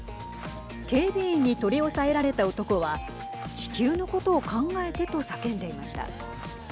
警備員に取り押さえられた男は地球のことを考えてと叫んでいました。